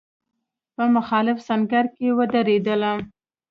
په مخالف سنګر کې ودرېدلم.